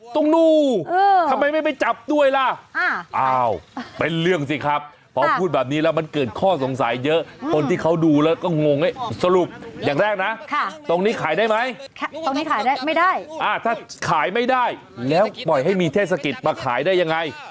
ถ้าขายไม่ได้แล้วปล่อยให้มีเทศกิจมาขายได้ยังไง